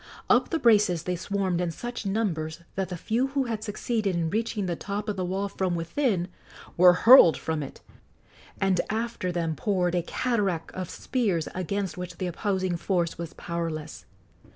Up the braces they swarmed in such numbers that the few who had succeeded in reaching the top of the wall from within were hurled from it, and after them poured a cataract of spears against which the opposing force was powerless.